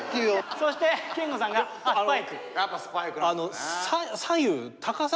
そして憲剛さんが「スパイク？」。